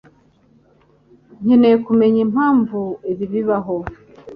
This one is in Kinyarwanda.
Nkeneye kumenya impamvu ibi bibaho.